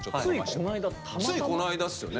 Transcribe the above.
ついこの間っすよね？